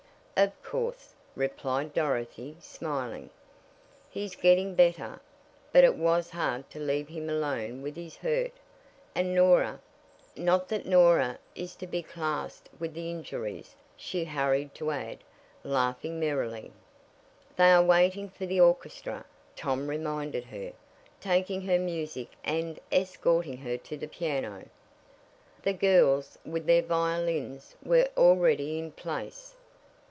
"Of course," replied Dorothy, smiling. "He's getting better. But it was hard to leave him alone with his hurt and Norah. Not that Norah is to be classed with the injuries," she hurried to add, laughing merrily. "They are waiting for the orchestra," Tom reminded her, taking her music and escorting her to the piano. The girls, with their violins, were already in place.